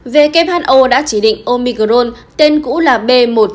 who đã chỉ định omicron tên cũ là b một một năm trăm hai mươi bốn